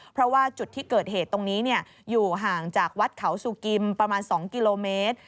เพราะว่าจุดที่เกิดเหตุตรงนี้อยู่ห่างจากวัดเขาสุกิมประมาณ๒กิโลเมตร